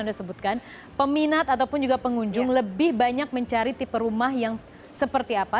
anda sebutkan peminat ataupun juga pengunjung lebih banyak mencari tipe rumah yang seperti apa